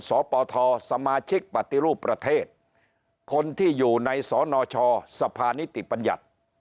สปทสมาชิกปฏิรูปประเทศคนที่อยู่ในสนชสภานิติบัญญัติ